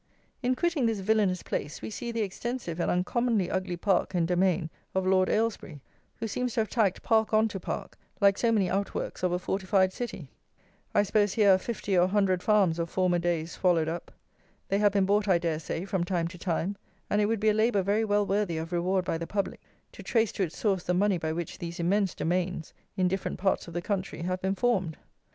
In quitting this villanous place we see the extensive and uncommonly ugly park and domain of LORD AYLESBURY, who seems to have tacked park on to park, like so many outworks of a fortified city. I suppose here are 50 or 100 farms of former days swallowed up. They have been bought, I dare say, from time to time; and it would be a labour very well worthy of reward by the public, to trace to its source the money by which these immense domains, in different parts of the country, have been formed!